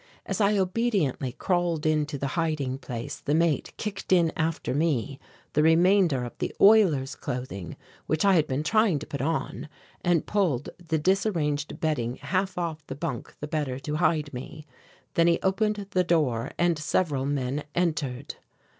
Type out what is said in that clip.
As I obediently crawled into the hiding place, the mate kicked in after me the remainder of the oiler's clothing which I had been trying to put on and pulled the disarranged bedding half off the bunk the better to hide me. Then he opened the door and several men entered.